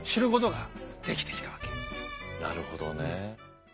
なるほどね。